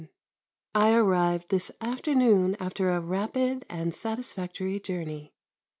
I arrived this afternoon after a rapid and satisfactory journey.